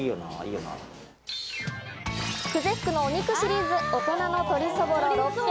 久世福のお肉シリーズ「大人の鶏そぼろ」